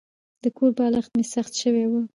د کور بالښت مې سخت شوی و.